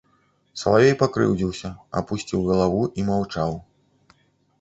Салавей пакрыўдзіўся, апусціў галаву і маўчаў.